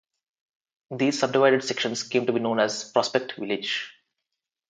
These subdivided sections came to be known as Prospect Village.